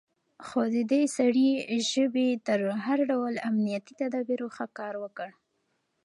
خو د دې سړي ژبې تر هر ډول امنيتي تدابيرو ښه کار وکړ.